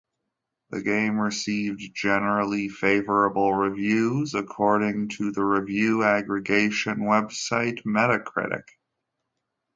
The game received "generally favorable reviews" according to the review aggregation website Metacritic.